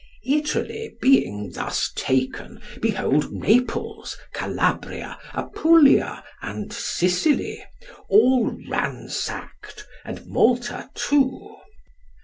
Italy being thus taken, behold Naples, Calabria, Apulia, and Sicily, all ransacked, and Malta too.